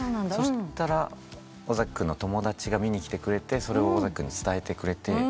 そしたら尾崎君の友達が見に来てくれてそれを尾崎君に伝えてくれて。